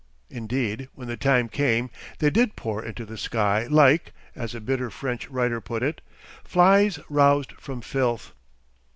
Indeed, when the time came, they did pour into the sky like, as a bitter French writer put it, flies roused from filth.